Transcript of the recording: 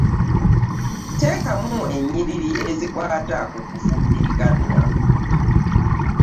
Teekamu ennyiriri ezikwata ku kufumbiriganwa.